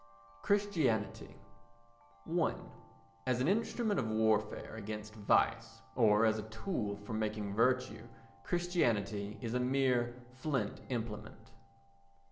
Christianity i As an instrument of warfare against vice, or as a tool for making virtue, Christianity is a mere flint implement.